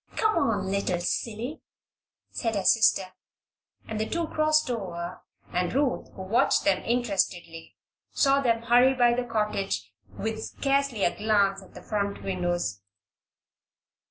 Come on, little silly!" said her sister, and the two crossed over and Ruth, who watched them interestedly, saw them hurry by the cottage with scarcely a glance at the front windows.